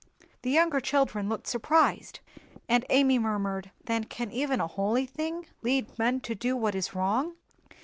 The younger children looked surprised; and Amy murmured, "Then can even a holy thing lead men to do what is wrong?"